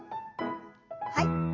はい。